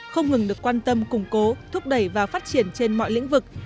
không ngừng được quan tâm củng cố thúc đẩy và phát triển trên mọi lĩnh vực